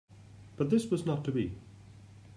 But this was not to be.